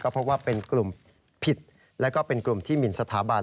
พบว่าเป็นกลุ่มผิดและก็เป็นกลุ่มที่หมินสถาบัน